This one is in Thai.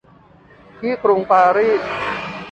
ที่กรุงปารีส